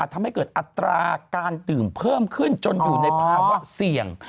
ทำให้เกิดอัตราการดื่มเพิ่มขึ้นจนอยู่ในภาวะเสี่ยง